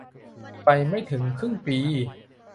ไปไม่ถึงครึ่งปี